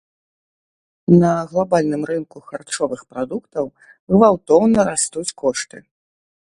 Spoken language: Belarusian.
На глабальным рынку харчовых прадуктаў гвалтоўна растуць кошты.